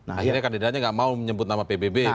akhirnya kandidatnya nggak mau menyebut nama pbb